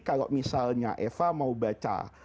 kalau misalnya eva mau baca